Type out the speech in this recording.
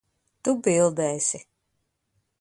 Tu bildēsi.